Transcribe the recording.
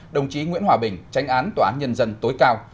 đồng chí nguyễn hòa bình tránh án tòa án nhân dân tối cao